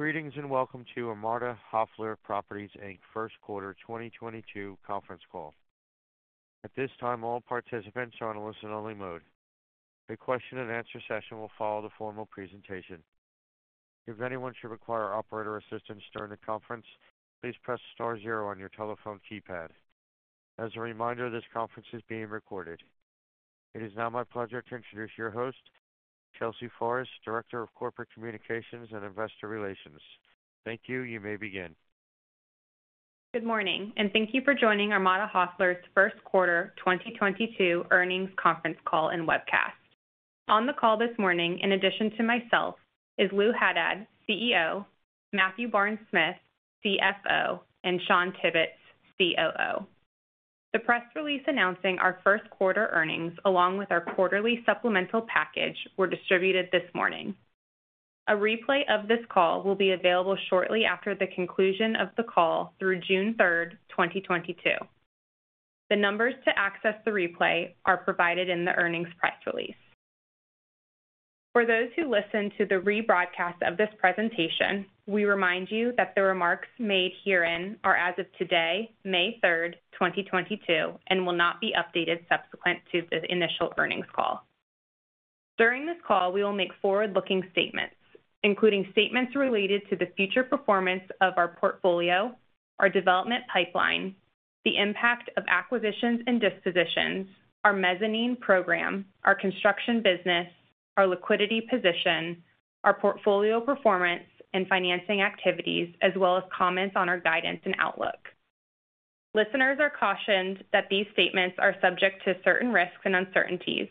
Greetings, and welcome to Armada Hoffler Properties, Inc. first 2022 conference call. At this time, all participants are on a listen-only mode. A question-and-answer session will follow the formal presentation. If anyone should require operator assistance during the conference, please press star zero on your telephone keypad. As a reminder, this conference is being recorded. It is now my pleasure to introduce your host, Chelsea Forrest, Director of Corporate Communications and Investor Relations. Thank you. You may begin. Good morning and thank you for joining Armada Hoffler's Q1 2022 earnings conference call and webcast. On the call this morning, in addition to myself, is Lou Haddad, CEO, Matthew Barnes-Smith, CFO, and Shawn Tibbitts, COO. The press release announcing our Q1 earnings, along with our quarterly supplemental package, were distributed this morning. A replay of this call will be available shortly after the conclusion of the call through June 3, 2022. The numbers to access the replay are provided in the earnings press release. For those who listen to the rebroadcast of this presentation, we remind you that the remarks made herein are as of today, May 3, 2022, and will not be updated subsequent to the initial earnings call. During this call, we will make forward-looking statements, including statements related to the future performance of our portfolio, our development pipeline, the impact of acquisitions and dispositions, our mezzanine program, our construction business, our liquidity position, our portfolio performance and financing activities, as well as comments on our guidance and outlook. Listeners are cautioned that these statements are subject to certain risks and uncertainties,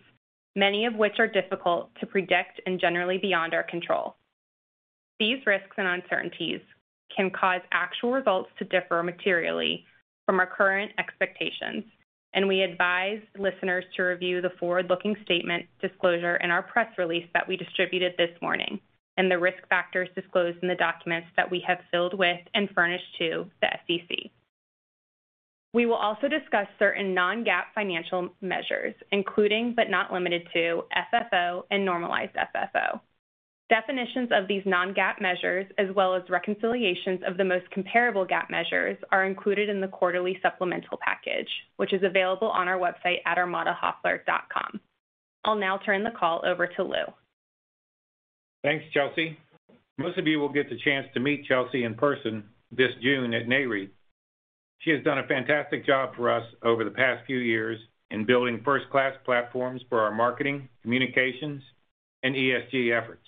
many of which are difficult to predict and generally beyond our control. These risks and uncertainties can cause actual results to differ materially from our current expectations. We advise listeners to review the forward-looking statement disclosure in our press release that we distributed this morning, and the risk factors disclosed in the documents that we have filed with and furnished to the SEC. We will also discuss certain non-GAAP financial measures, including but not limited to FFO and normalized FFO. Definitions of these non-GAAP measures, as well as reconciliations of the most comparable GAAP measures are included in the quarterly supplemental package, which is available on our website at armadahoffler.com. I'll now turn the call over to Lou. Thanks, Chelsea. Most of you will get the chance to meet Chelsea in person this June at. She has done a fantastic job for us over the past few s in building first-class platforms for our marketing, communications, and ESG efforts.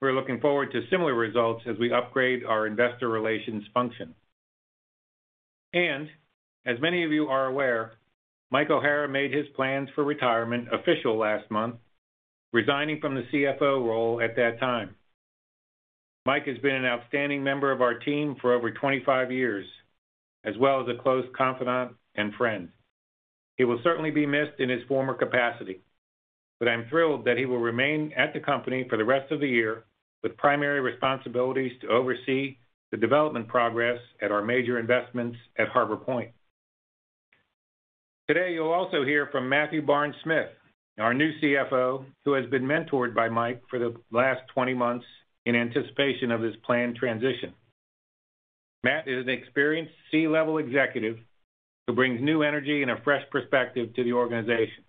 We're looking forward to similar results as we upgrade our investor relations function. As many of you are aware, Mike O'Hara made his plans for retirement official last month, resigning from the CFO role at that time. Mike has been an outstanding member of our team for over 25 years, as well as a close confidant and friend. He will certainly be missed in his former capacity, but I'm thrilled that he will remain at the company for the rest of the year with primary responsibilities to oversee the development progress at our major investments at Harbor Point. Today, you'll also hear from Matthew Barnes-Smith, our new CFO, who has been mentored by Mike for the last 20 months in anticipation of this planned transition. Matt is an experienced C-level executive who brings new energy and a fresh perspective to the organization.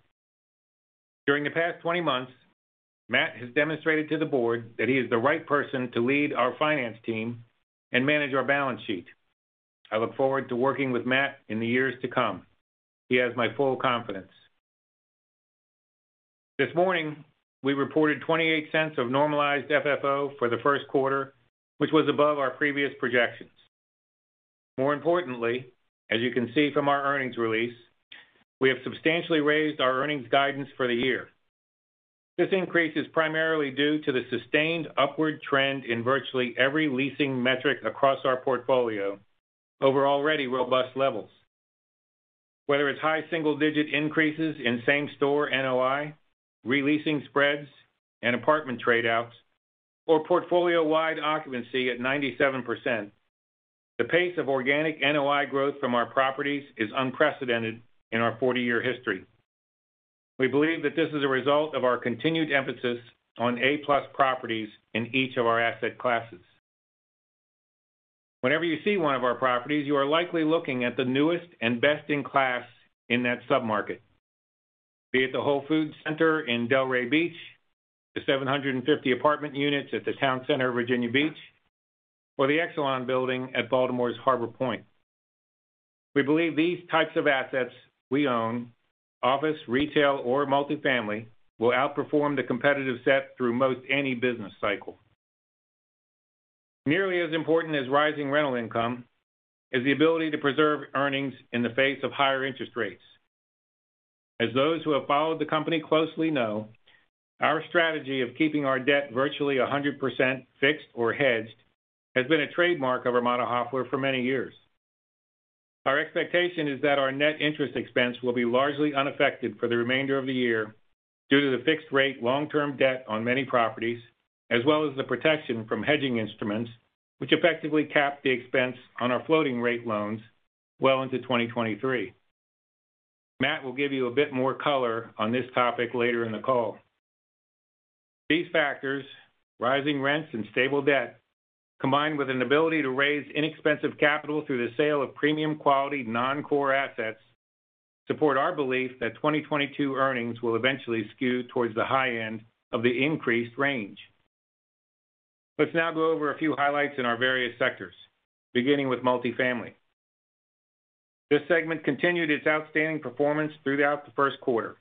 During the past 20 months, Matt has demonstrated to the board that he is the right person to lead our finance team and manage our balance sheet. I look forward to working with Matt in the years to come. He has my full confidence. This morning, we reported $0.28 of Normalized FFO for the Q1, which was above our previous projections. More importantly, as you can see from our earnings release, we have substantially raised our earnings guidance for the year. This increase is primarily due to the sustained upward trend in virtually every leasing metric across our portfolio over already robust levels. Whether it's high single-digit increases in Same-Store NOI, re-leasing spreads and apartment trade-outs, or portfolio-wide occupancy at 97%, the pace of organic NOI growth from our properties is unprecedented in our 40-year history. We believe that this is a result of our continued emphasis on A-plus properties in each of our asset classes. Whenever you see one of our properties, you are likely looking at the newest and best in class in that submarket. Be it the Whole Foods Center in Delray Beach, the 750 apartment units at the Town Center of Virginia Beach, or the Exelon building at Baltimore's Harbor Point. We believe these types of assets we own, office, retail or multifamily, will outperform the competitive set through most any business cycle. Nearly as important as rising rental income is the ability to preserve earnings in the face of higher interest rates. As those who have followed the company closely know, our strategy of keeping our debt virtually 100% fixed or hedged has been a trademark of Armada Hoffler for many years. Our expectation is that our net interest expense will be largely unaffected for the remainder of the year due to the fixed rate long-term debt on many properties, as well as the protection from hedging instruments, which effectively cap the expense on our floating rate loans well into 2023. Matt will give you a bit more color on this topic later in the call. These factors, rising rents and stable debt, combined with an ability to raise inexpensive capital through the sale of premium quality non-core assets, support our belief that 2022 earnings will eventually skew towards the high end of the increased range. Let's now go over a few highlights in our various sectors, beginning with multifamily. This segment continued its outstanding performance throughout the Q1.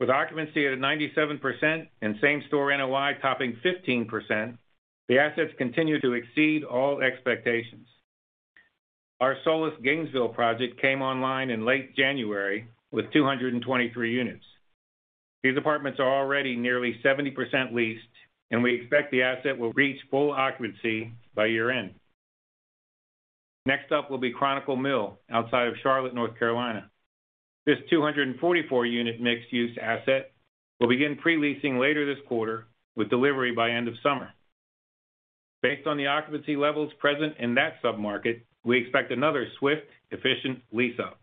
With occupancy at 97% and Same-Store NOI topping 15%, the assets continue to exceed all expectations. Our Solis Gainesville project came online in late January with 223 units. These apartments are already nearly 70% leased, and we expect the asset will reach full occupancy by year-end. Next up will be Chronicle Mill outside of Charlotte, North Carolina. This 244-unit mixed-use asset will begin pre-leasing later this quarter with delivery by end of summer. Based on the occupancy levels present in that submarket, we expect another swift, efficient lease up.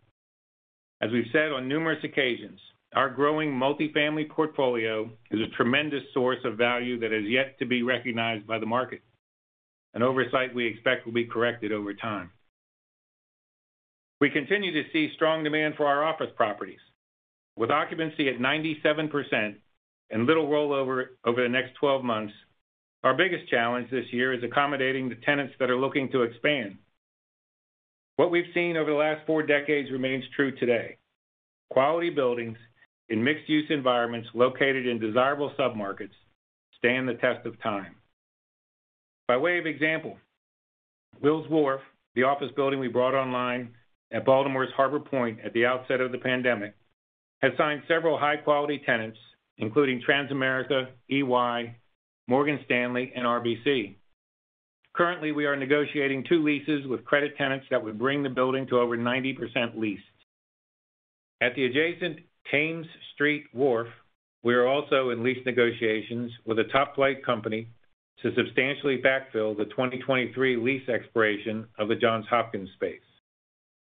As we've said on numerous occasions, our growing multifamily portfolio is a tremendous source of value that is yet to be recognized by the market, an oversight we expect will be corrected over time. We continue to see strong demand for our office properties. With occupancy at 97% and little rollover over the next 12 months, our biggest challenge this year is accommodating the tenants that are looking to expand. What we've seen over the last four decades remains true today. Quality buildings in mixed-use environments located in desirable submarkets stand the test of time. By way of example, Wills Wharf, the office building we brought online at Baltimore's Harbor Point at the outset of the pandemic, has signed several high-quality tenants, including Transamerica, EY, Morgan Stanley, and RBC. Currently, we are negotiating two leases with credit tenants that would bring the building to over 90% leased. At the adjacent Thames Street Wharf, we are also in lease negotiations with a top-flight company to substantially backfill the 2023 lease expiration of the Johns Hopkins space.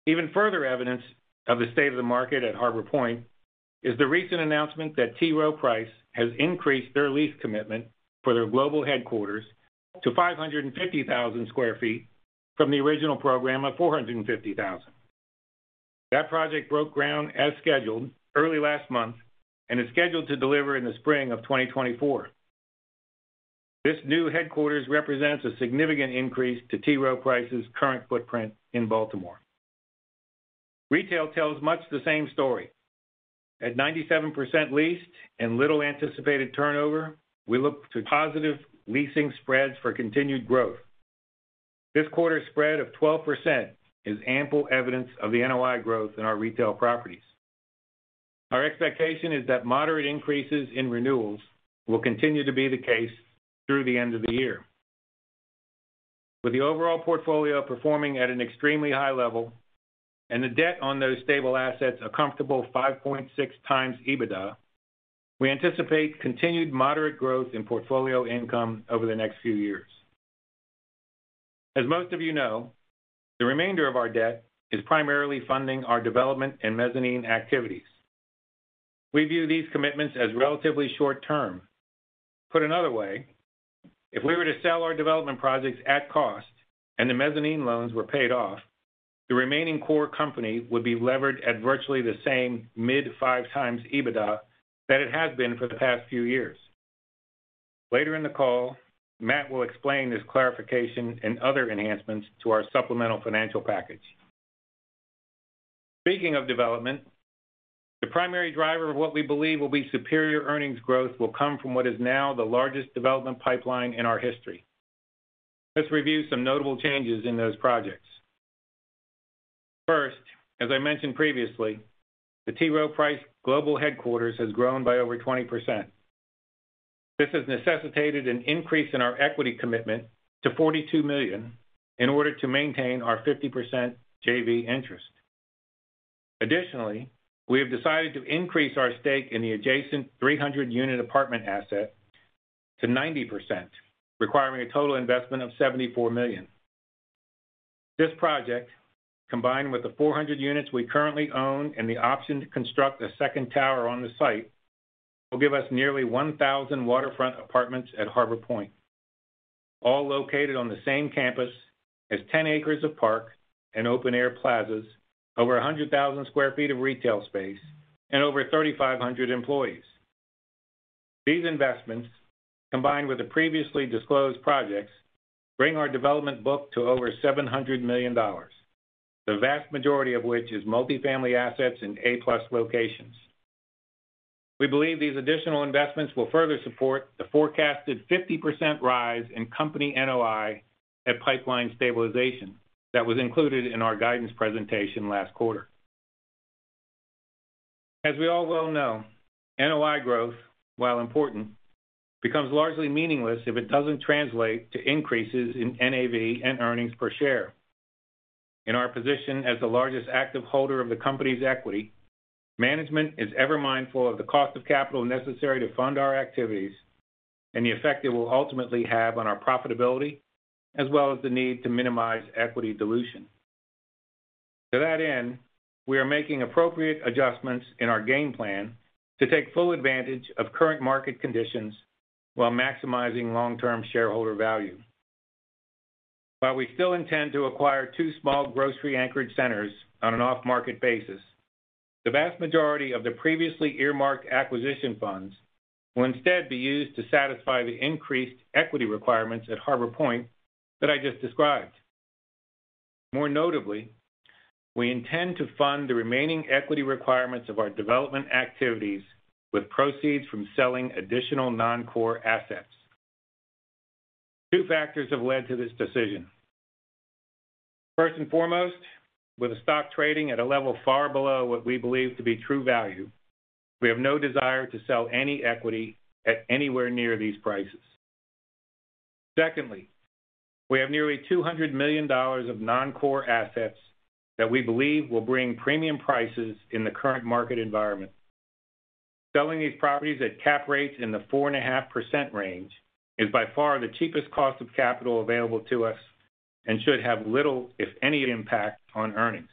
Even further evidence of the state of the market at Harbor Point is the recent announcement that T. Rowe Price has increased their lease commitment for their global headquarters to 550,000 sq ft from the original program of 450,000 sq ft. That project broke ground as scheduled early last month and is scheduled to deliver in the spring of 2024. This new headquarters represents a significant increase to T. Rowe Price's current footprint in Baltimore. Retail tells much the same story. At 97% leased and little anticipated turnover, we look to positive leasing spreads for continued growth. This quarter's spread of 12% is ample evidence of the NOI growth in our retail properties. Our expectation is that moderate increases in renewals will continue to be the case through the end of the year. With the overall portfolio performing at an extremely high level and the debt on those stable assets a comfortable 5.6x EBITDA, we anticipate continued moderate growth in portfolio income over the next few years. As most of you know, the remainder of our debt is primarily funding our development and mezzanine activities. We view these commitments as relatively short term. Put another way, if we were to sell our development projects at cost and the mezzanine loans were paid off, the remaining core company would be levered at virtually the same mid-5x EBITDA that it has been for the past few years. Later in the call, Matt will explain this clarification and other enhancements to our supplemental financial package. Speaking of development, the primary driver of what we believe will be superior earnings growth will come from what is now the largest development pipeline in our history. Let's review some notable changes in those projects. First, as I mentioned previously, the T. Rowe Price global headquarters has grown by over 20%. This has necessitated an increase in our equity commitment to $42 million in order to maintain our 50% JV interest. Additionally, we have decided to increase our stake in the adjacent 300-unit apartment asset to 90%, requiring a total investment of $74 million. This project, combined with the 400 units we currently own and the option to construct a second tower on the site, will give us nearly 1,000 waterfront apartments at Harbor Point, all located on the same campus as 10 acres of park and open-air plazas, over 100,000 sq ft of retail space, and over 3,500 employees. These investments, combined with the previously disclosed projects, bring our development book to over $700 million, the vast majority of which is multifamily assets in A-plus locations. We believe these additional investments will further support the forecasted 50% rise in company NOI at pipeline stabilization that was included in our guidance presentation last quarter. As we all well know, NOI growth, while important, becomes largely meaningless if it doesn't translate to increases in NAV and earnings per share. In our position as the largest active holder of the company's equity, management is ever mindful of the cost of capital necessary to fund our activities. The effect it will ultimately have on our profitability, as well as the need to minimize equity dilution. To that end, we are making appropriate adjustments in our game plan to take full advantage of current market conditions while maximizing long-term shareholder value. While we still intend to acquire two small grocery anchored centers on an off-market basis, the vast majority of the previously earmarked acquisition funds will instead be used to satisfy the increased equity requirements at Harbor Point that I just described. More notably, we intend to fund the remaining equity requirements of our development activities with proceeds from selling additional non-core assets. Two factors have led to this decision. First and foremost, with the stock trading at a level far below what we believe to be true value, we have no desire to sell any equity at anywhere near these prices. Secondly, we have nearly $200 million of non-core assets that we believe will bring premium prices in the current market environment. Selling these properties at cap rates in the 4.5% range is by far the cheapest cost of capital available to us and should have little, if any, impact on earnings.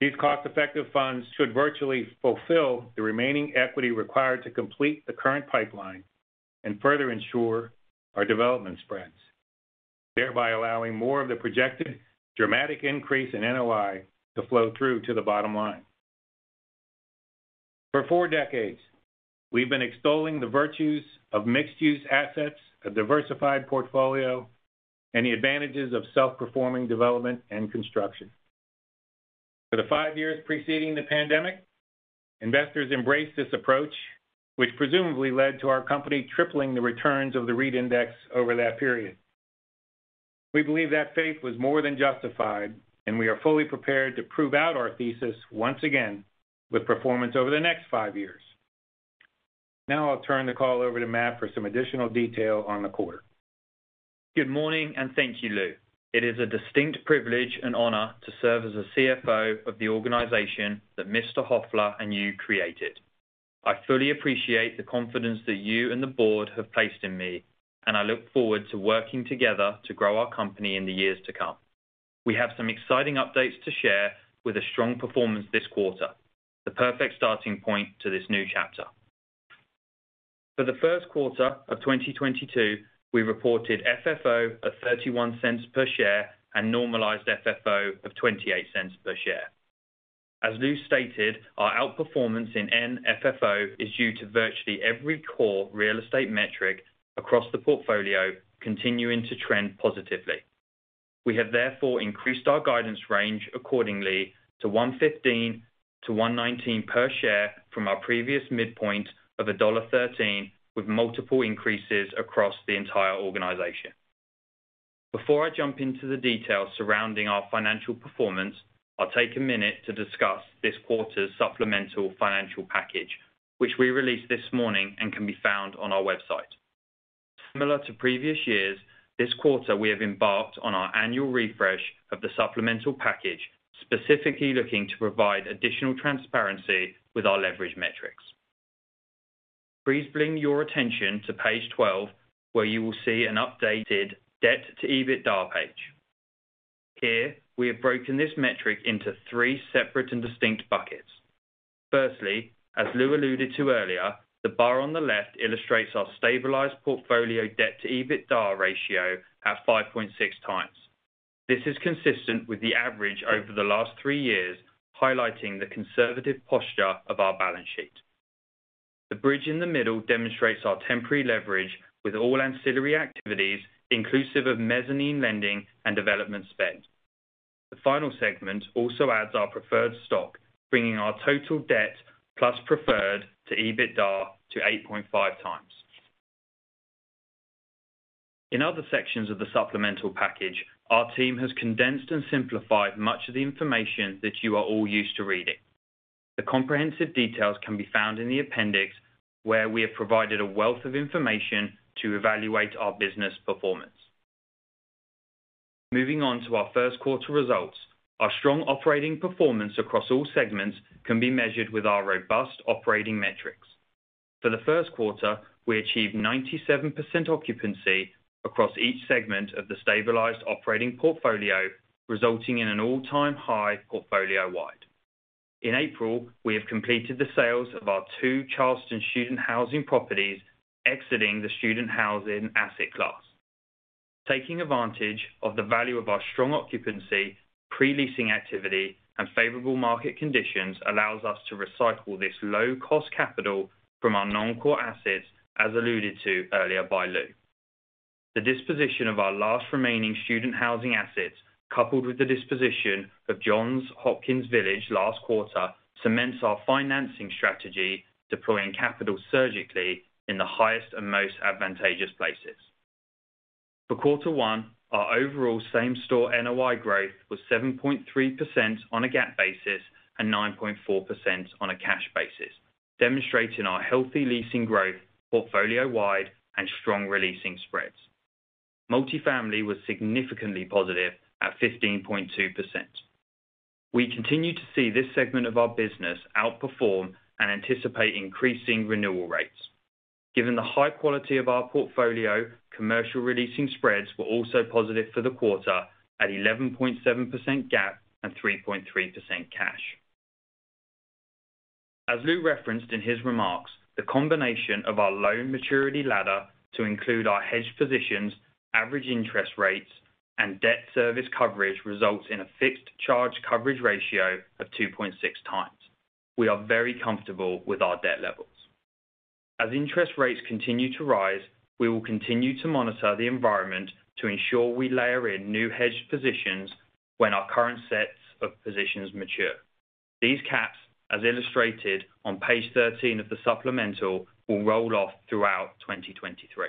These cost-effective funds should virtually fulfill the remaining equity required to complete the current pipeline and further ensure our development spreads, thereby allowing more of the projected dramatic increase in NOI to flow through to the bottom line. For four decades, we've been extolling the virtues of mixed-use assets, a diversified portfolio, and the advantages of self-performing development and construction. For the five years preceding the pandemic, investors embraced this approach, which presumably led to our company tripling the returns of the REIT index over that period. We believe that faith was more than justified, and we are fully prepared to prove out our thesis once again with performance over the next five years. Now I'll turn the call over to Matt for some additional detail on the quarter. Good morning, and thank you, Lou. It is a distinct privilege and honor to serve as a CFO of the organization that Mr. Hoffler and you created. I fully appreciate the confidence that you and the board have placed in me, and I look forward to working together to grow our company in the years to come. We have some exciting updates to share, with a strong performance this quarter, the perfect starting point to this new chapter. For the Q1 of 2022, we reported FFO of $0.31 per share and normalized FFO of $0.28 per share. As Lou stated, our outperformance in NFFO is due to virtually every core real estate metric across the portfolio continuing to trend positively. We have therefore increased our guidance range accordingly to $1.15-$1.19 per share from our previous midpoint of $1.13, with multiple increases across the entire organization. Before I jump into the details surrounding our financial performance, I'll take a minute to discuss this quarter's supplemental financial package, which we released this morning and can be found on our website. Similar to previous years, this quarter we have embarked on our annual refresh of the supplemental package, specifically looking to provide additional transparency with our leverage metrics. Please bring your attention to page 12, where you will see an updated debt-to-EBITDA page. Here, we have broken this metric into three separate and distinct buckets. Firstly, as Lou alluded to earlier, the bar on the left illustrates our stabilized portfolio debt-to-EBITDA ratio at 5.6 times. This is consistent with the average over the last three years, highlighting the conservative posture of our balance sheet. The bridge in the middle demonstrates our temporary leverage with all ancillary activities, inclusive of mezzanine lending and development spend. The final segment also adds our preferred stock, bringing our total debt plus preferred to EBITDA to 8.5 times. In other sections of the supplemental package, our team has condensed and simplified much of the information that you are all used to reading. The comprehensive details can be found in the appendix, where we have provided a wealth of information to evaluate our business performance. Moving on to our Q1 results, our strong operating performance across all segments can be measured with our robust operating metrics. For the Q1, we achieved 97% occupancy across each segment of the stabilized operating portfolio, resulting in an all-time high portfolio wide. In April, we have completed the sales of our 2 Charleston student housing properties, exiting the student housing asset class. Taking advantage of the value of our strong occupancy, pre-leasing activity and favorable market conditions allows us to recycle this low cost capital from our non-core assets, as alluded to earlier by Lou. The disposition of our last remaining student housing assets, coupled with the disposition of Johns Hopkins Village last quarter, cements our financing strategy, deploying capital surgically in the highest and most advantageous places. For quarter one, our overall Same-Store NOI growth was 7.3% on a GAAP basis and 9.4% on a cash basis, demonstrating our healthy leasing growth portfolio wide and strong releasing spreads. Multifamily was significantly positive at 15.2%. We continue to see this segment of our business outperform and anticipate increasing renewal rates. Given the high quality of our portfolio, commercial releasing spreads were also positive for the quarter at 11.7% GAAP and 3.3% cash. As Lou referenced in his remarks, the combination of our loan maturity ladder to include our hedged positions, average interest rates, and debt service coverage results in a fixed charge coverage ratio of 2.6 times. We are very comfortable with our debt levels. As interest rates continue to rise, we will continue to monitor the environment to ensure we layer in new hedged positions when our current sets of positions mature. These caps, as illustrated on page 13 of the supplemental, will roll off throughout 2023.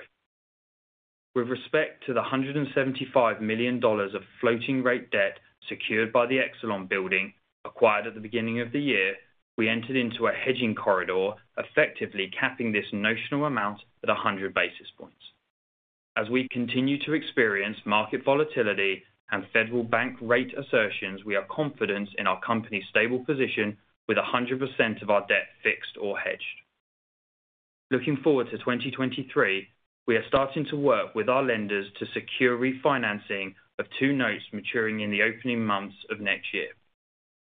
With respect to the $175 million of floating rate debt secured by the Exelon building acquired at the beginning of the year, we entered into a hedging corridor, effectively capping this notional amount at 100 basis points. As we continue to experience market volatility and Fed funds rate increases, we are confident in our company's stable position with 100% of our debt fixed or hedged. Looking forward to 2023, we are starting to work with our lenders to secure refinancing of two notes maturing in the opening months of next year.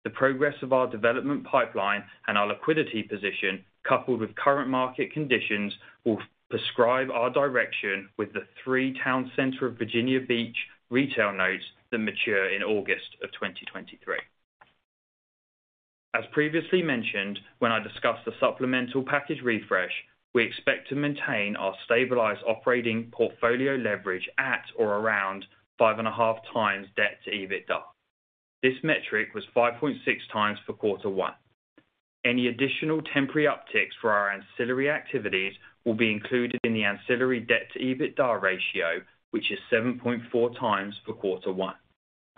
The progress of our development pipeline and our liquidity position, coupled with current market conditions, will prescribe our direction with the three Town Center of Virginia Beach retail notes that mature in August of 2023. As previously mentioned, when I discussed the supplemental package refresh, we expect to maintain our stabilized operating portfolio leverage at or around 5.5 times debt-to-EBITDA. This metric was 5.6 times for quarter one. Any additional temporary upticks for our ancillary activities will be included in the ancillary debt-to-EBITDA ratio, which is 7.4 times for quarter one.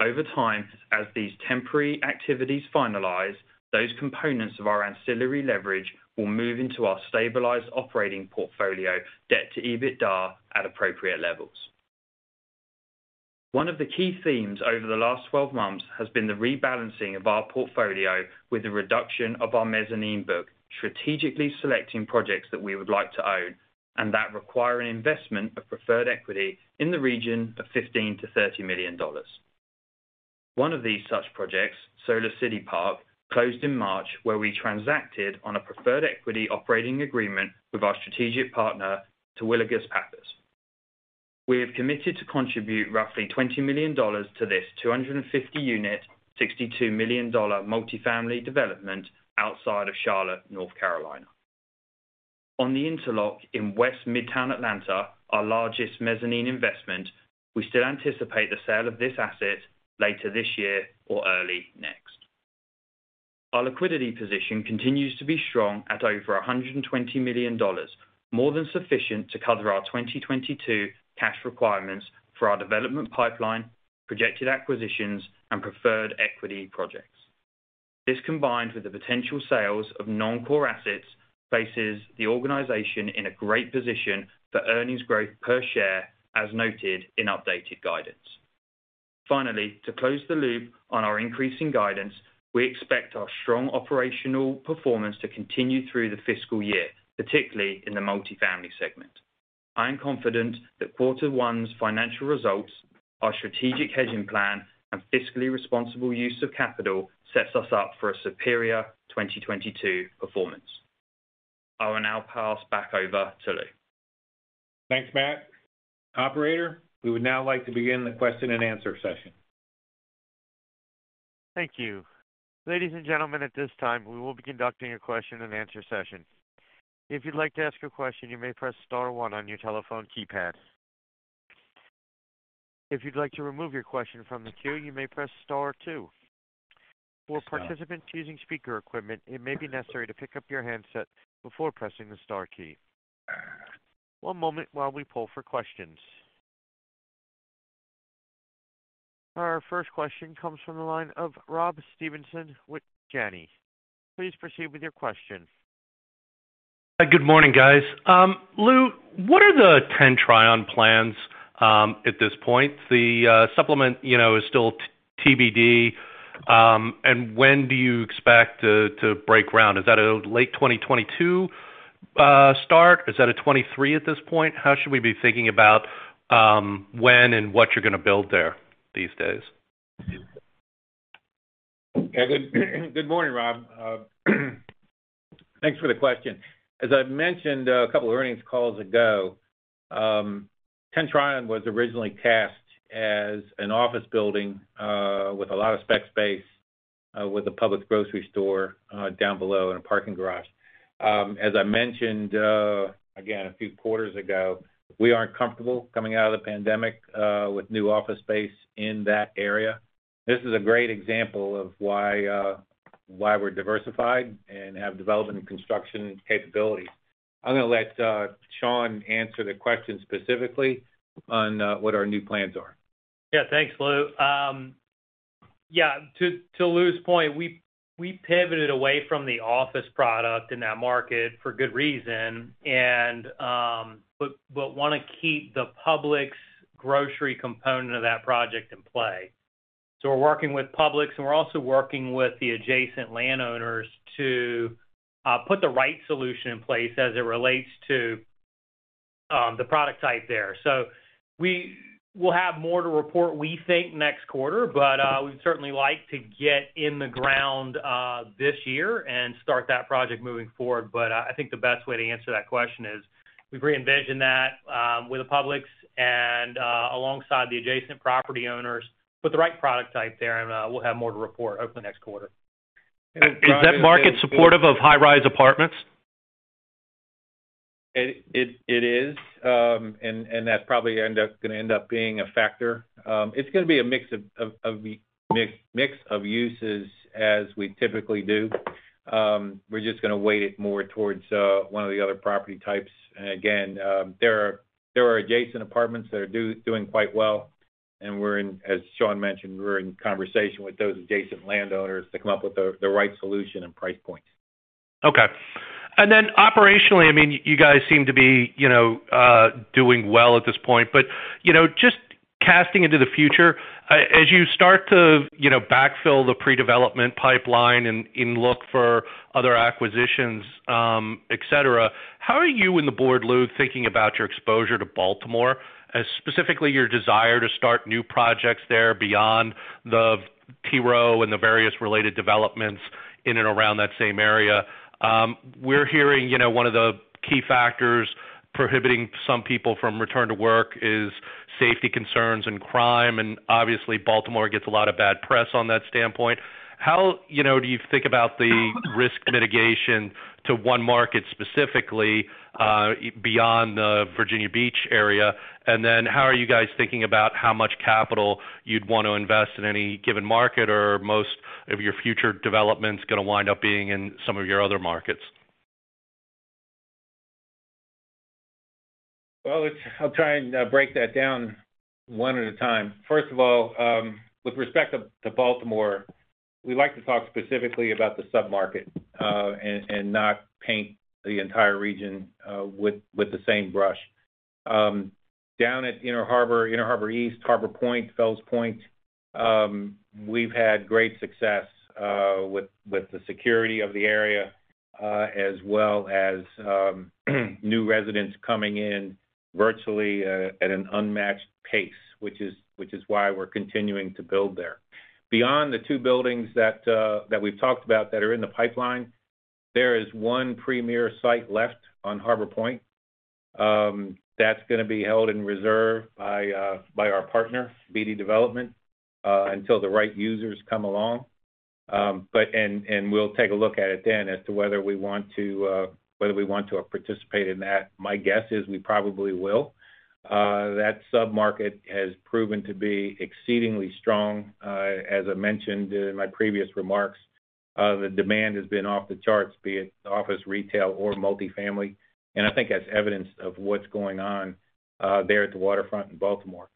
Over time, as these temporary activities finalize, those components of our ancillary leverage will move into our stabilized operating portfolio debt-to-EBITDA at appropriate levels. One of the key themes over the last 12 months has been the rebalancing of our portfolio with the reduction of our mezzanine book, strategically selecting projects that we would like to own and that require an investment of preferred equity in the region of $15 million-$30 million. One of these such projects, Solis City Park, closed in March, where we transacted on a preferred equity operating agreement with our strategic partner, Terwilliger Pappas. We have committed to contribute roughly $20 million to this 250-unit, $62 million multi-family development outside of Charlotte, North Carolina. On The Interlock in West Midtown Atlanta, our largest mezzanine investment, we still anticipate the sale of this asset later this year or early next. Our liquidity position continues to be strong at over $120 million, more than sufficient to cover our 2022 cash requirements for our development pipeline, projected acquisitions, and preferred equity projects. This, combined with the potential sales of non-core assets, places the organization in a great position for earnings growth per share, as noted in updated guidance. Finally, to close the loop on our increasing guidance, we expect our strong operational performance to continue through the fiscal year, particularly in the multifamily segment. I am confident that quarter one's financial results, our strategic hedging plan, and fiscally responsible use of capital sets us up for a superior 2022 performance. I will now pass back over to Lou. Thanks, Matt. Operator, we would now like to begin the question and answer session. Thank you. Ladies and gentlemen, at this time, we will be conducting a question and answer session. If you'd like to ask a question, you may press star one on your telephone keypad. If you'd like to remove your question from the queue, you may press star two. For participants using speaker equipment, it may be necessary to pick up your handset before pressing the star key. One moment while we pull for questions. Our first question comes from the line of Rob Stevenson with Janney. Please proceed with your question. Good morning, guys. Lou, what are the Ten Tryon plans at this point? The supplement is still TBD. When do you expect to break ground? Is that a late 2022 start? Is that a 2023 at this point? How should we be thinking about when and what you're gonna build there these days? Yeah. Good morning, Rob. Thanks for the question. As I've mentioned a couple of earnings calls ago, Ten Tryon was originally cast as an office building with a lot of spec space with a Publix grocery store down below in a parking garage. As I mentioned again a few quarters ago, we aren't comfortable coming out of the pandemic with new office space in that area. This is a great example of why we're diversified and have development and construction capabilities. I'm gonna let Shawn answer the question specifically on what our new plans are. Yeah. Thanks, Lou. Yeah, to Lou's point, we We pivoted away from the office product in that market for good reason, but wanna keep the Publix grocery component of that project in play. We're working with Publix, and we're also working with the adjacent landowners to put the right solution in place as it relates to the product type there. We will have more to report, we think, next quarter, but we'd certainly like to get in the ground this year and start that project moving forward. I think the best way to answer that question is we've re-envisioned that with the Publix and alongside the adjacent property owners put the right product type there, and we'll have more to report over the next quarter. Is that market supportive of high-rise apartments? It is, and that's probably gonna end up being a factor. It's gonna be a mix of uses as we typically do. We're just gonna weight it more towards one of the other property types. Again, there are adjacent apartments that are doing quite well, and as Shawn mentioned, we're in conversation with those adjacent landowners to come up with the right solution and price point. Okay. Then operationally, I mean, you guys seem to be, doing well at this point, but, just casting into the future, as you start to, backfill the pre-development pipeline and look for other acquisitions, et cetera, how are you and the board, Lou, thinking about your exposure to Baltimore, specifically your desire to start new projects there beyond the T. Rowe and the various related developments in and around that same area? We're hearing, one of the key factors prohibiting some people from return to work is safety concerns and crime, and obviously Baltimore gets a lot of bad press on that standpoint. How, do you think about the risk mitigation to one market specifically, beyond the Virginia Beach area, and then how are you guys thinking about how much capital you'd want to invest in any given market, or most of your future developments gonna wind up being in some of your other markets? I'll try and break that down one at a time. First of all, with respect to Baltimore, we like to talk specifically about the sub-market, and not paint the entire region with the same brush. Down at Inner Harbor, Inner Harbor East, Harbor Point, Fells Point, we've had great success with the security of the area, as well as new residents coming in virtually at an unmatched pace, which is why we're continuing to build there. Beyond the two buildings that we've talked about that are in the pipeline, there is one premier site left on Harbor Point. That's gonna be held in reserve by our partner, Beatty Development Group, until the right users come along. We'll take a look at it then as to whether we want to participate in that. My guess is we probably will. That sub-market has proven to be exceedingly strong. As I mentioned in my previous remarks, the demand has been off the charts, be it office, retail, or multifamily, and I think that's evidence of what's going on there at the waterfront in Baltimore.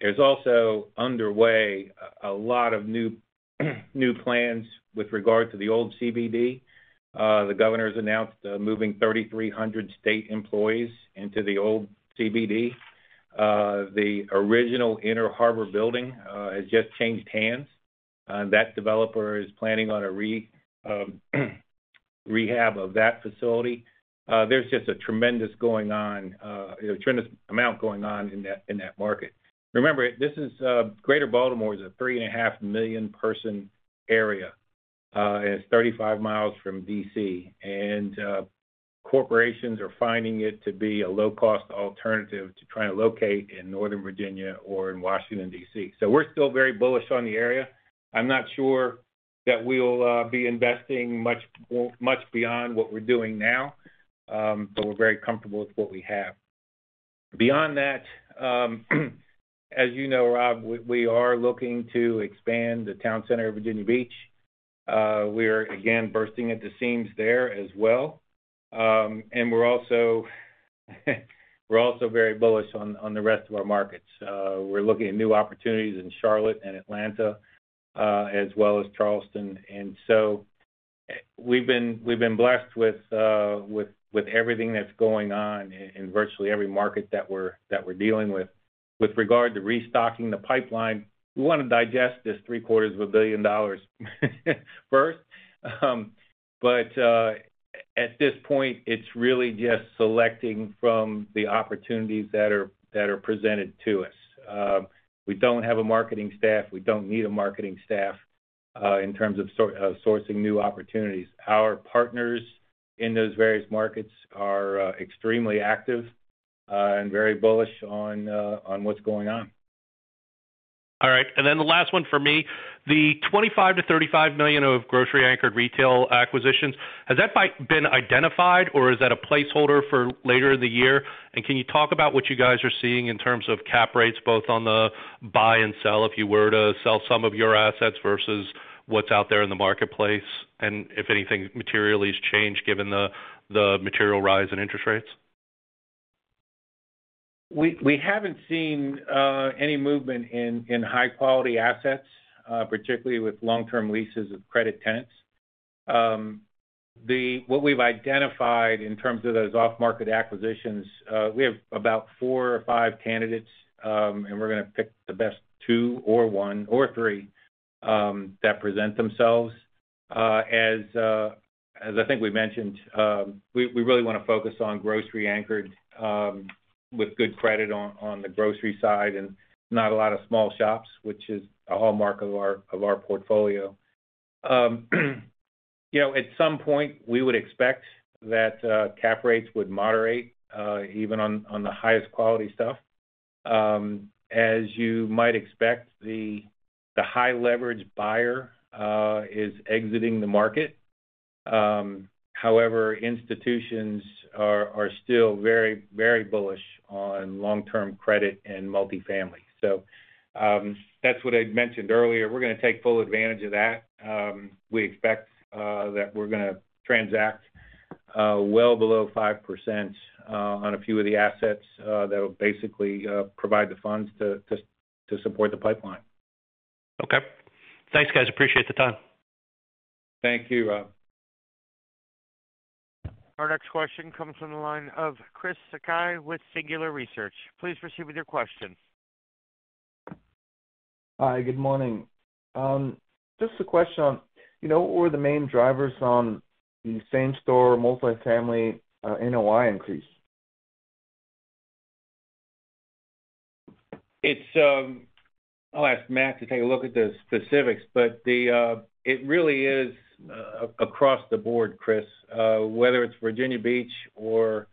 There's also underway a lot of new plans with regard to the old CBD. The governor's announced moving 3,300 state employees into the old CBD. The original Inner Harbor building has just changed hands. That developer is planning on a rehab of that facility. There's just a tremendous amount going on in that market. Remember, this is Greater Baltimore, a 3.5 million person area, and it's 35 miles from D.C. Corporations are finding it to be a low-cost alternative to try to locate in Northern Virginia or in Washington, D.C. We're still very bullish on the area. I'm not sure that we'll be investing much beyond what we're doing now, but we're very comfortable with what we have. Beyond that, as you know, Rob, we are looking to expand the town center of Virginia Beach. We're again bursting at the seams there as well. We're also very bullish on the rest of our markets. We're looking at new opportunities in Charlotte and Atlanta, as well as Charleston. We've been blessed with everything that's going on in virtually every market that we're dealing with. With regard to restocking the pipeline, we wanna digest this three-quarters of a billion dollars first. At this point, it's really just selecting from the opportunities that are presented to us. We don't have a marketing staff. We don't need a marketing staff in terms of sourcing new opportunities. Our partners in those various markets are extremely active and very bullish on what's going on. All right. Then the last one for me. The $25 million-$35 million of grocery anchored retail acquisitions, has that been identified, or is that a placeholder for later in the year? Can you talk about what you guys are seeing in terms of cap rates, both on the buy and sell, if you were to sell some of your assets versus what's out there in the marketplace, and if anything materially has changed given the material rise in interest rates? We haven't seen any movement in high-quality assets, particularly with long-term leases of credit tenants. What we've identified in terms of those off-market acquisitions, we have about four or five candidates, and we're gonna pick the best two or one or three that present themselves. As I think we mentioned, we really wanna focus on grocery-anchored, with good credit on the grocery side and not a lot of small shops, which is a hallmark of our portfolio. You know, at some point we would expect that cap rates would moderate even on the highest quality stuff. As you might expect, the high-leverage buyer is exiting the market. However, institutions are still very, very bullish on long-term credit and multifamily. That's what I'd mentioned earlier. We're gonna take full advantage of that. We expect that we're gonna transact well below 5% on a few of the assets that would basically provide the funds to support the pipeline. Okay. Thanks, guys. Appreciate the time. Thank you, Rob. Our next question comes from the line of Christopher Sakai with Singular Research. Please proceed with your question. Hi, good morning. Just a question on, what were the main drivers on the Same-Store multifamily NOI increase? I'll ask Matt to take a look at the specifics, but it really is across the board, Chris. Whether it's Virginia Beach or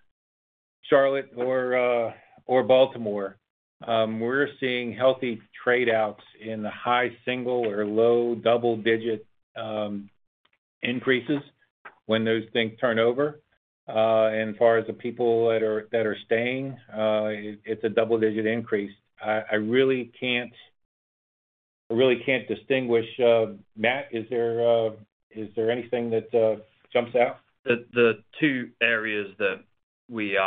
Charlotte or Baltimore, we're seeing healthy tradeouts in the high single-digit or low double-digit increases when those things turn over. As far as the people that are staying, it's a double-digit increase. I really can't distinguish. Matt, is there anything that jumps out? The two areas that we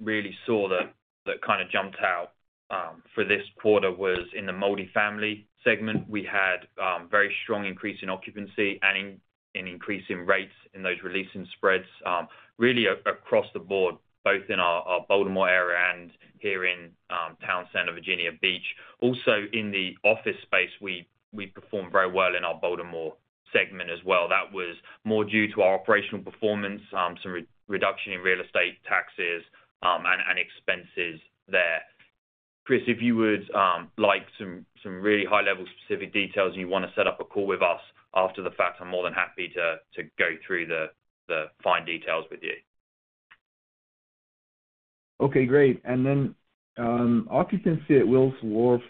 really saw that kinda jumped out for this quarter was in the multifamily segment. We had very strong increase in occupancy and increase in rates in those leasing spreads, really across the board, both in our Baltimore area and here in Town Center and Virginia Beach. Also, in the office space we performed very well in our Baltimore segment as well. That was more due to our operational performance, some reduction in real estate taxes, and expenses there. Chris, if you would like some really high-level specific details, and you wanna set up a call with us after the fact, I'm more than happy to go through the fine details with you. Okay, great. Occupancy at Wills Wharf,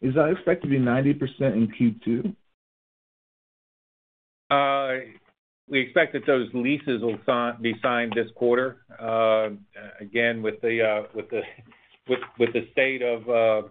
is that expected to be 90% in Q2? We expect that those leases will be signed this quarter. Again, with the state of